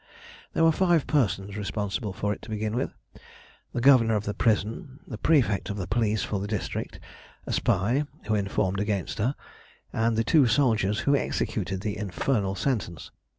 "There were five persons responsible for it to begin with the governor of the prison, the prefect of police for the district, a spy, who informed against her, and the two soldiers who executed the infernal sentence.